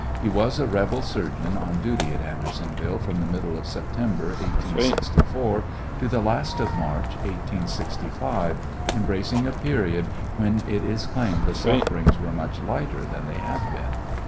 Ho was a rebel surgeon on duty at Andersonville from the middle of September, 1864, to the last of March, 1865, embracing a period when it U claimed the sufferings w^ere much lighter than they had been.